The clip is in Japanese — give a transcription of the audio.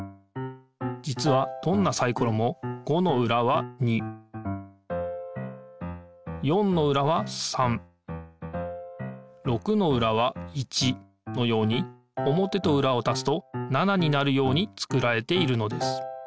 じつはどんなサイコロも５の裏は２４の裏は３６の裏は１のように表と裏をたすと７になるように作られているのです。